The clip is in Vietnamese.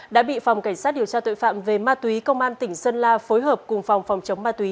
đã bị phòng cảnh sát điều tra tội phạm về ma túy công an tỉnh sơn la phối hợp cùng phòng phòng chống ma túy